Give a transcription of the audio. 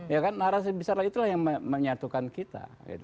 ya kan narasi besar lah itulah yang menyatukan kita